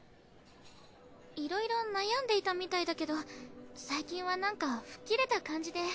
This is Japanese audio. いろいろ悩んでいたみたいだけど最近はなんか吹っ切れた感じで。